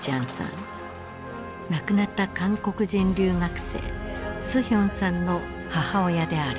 亡くなった韓国人留学生スヒョンさんの母親である。